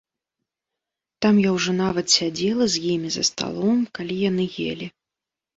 Там я ўжо нават сядзела з імі за сталом, калі яны елі.